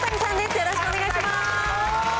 よろしくお願いします。